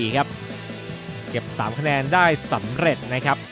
เก็บ๓คะแนนได้สำเร็จ